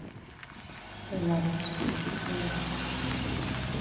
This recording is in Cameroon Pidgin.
Wuna be skul pikin dem.